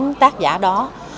những tác giả đó